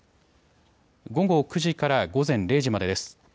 午後９時から午前０時までです。